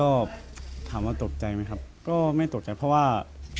ก็ถามว่าตกใจไหมครับก็ไม่ตกใจเพราะว่า